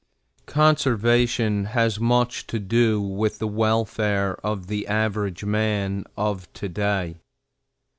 Conservation has much to do with the welfare of the average man of to day.